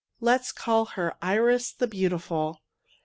'^ Let us call her Iris the Beauti ful!